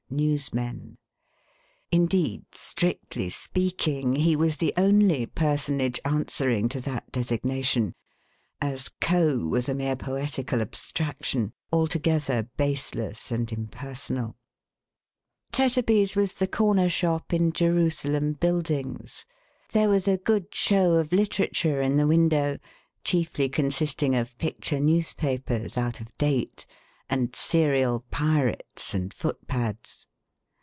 NEWSMEN*. Indeed, strictly speaking, he was the only personage answering to that designation ; as Co. was a mere poetical abstraction, altogether baseless and impersonal. go 450 THE HAUNTED MAN. Tetterby's was the corner shop in Jerusalem Buildings. There was a good show of literature in the window, chiefly consisting of picture newspapers out of date, and serial pirates, and footpads.